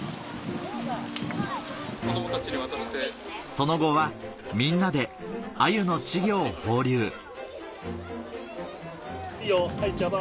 その後はみんなでアユの稚魚を放流いいよはいジャバ。